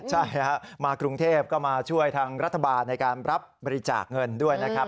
ใช่มากรุงเทพก็มาช่วยทางรัฐบาลในการรับบริจาคเงินด้วยนะครับ